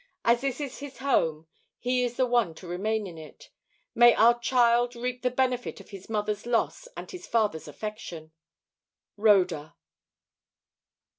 As this is his home, he is the one to remain in it. May our child reap the benefit of his mother's loss and his father's affection. "RHODA."